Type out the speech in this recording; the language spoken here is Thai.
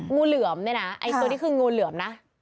งูเหลือมเนี่ยนะไอ้ตัวนี้คืองูเหลือมนะ